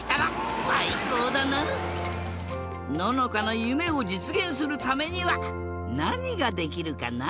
ののかのゆめをじつげんするためにはなにができるかな？